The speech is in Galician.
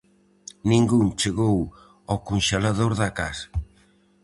Ningún chegou ao conxelador da casa.